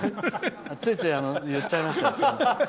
ついつい言っちゃいました。